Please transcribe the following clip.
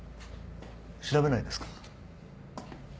調べないんですか？